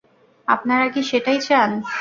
আপনারা কি সেটাই চান?